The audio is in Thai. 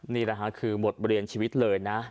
นี่นะคะคือหมดบริเรนชีวิตเลยนะ